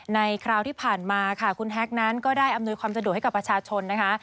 คราวที่ผ่านมาค่ะคุณแฮกนั้นก็ได้อำนวยความสะดวกให้กับประชาชนนะคะ